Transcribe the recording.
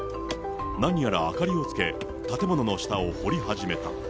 何やら明かりをつけ、建物の下を掘り始めた。